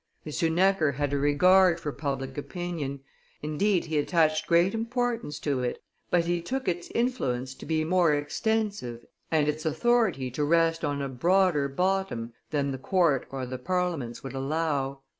Necker had a regard for public opinion, indeed he attached great importance to it, but he took its influence to be more extensive and its authority to rest on a broader bottom than the court or the parliaments would allow.